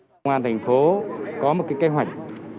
công an tp hcm có một kế hoạch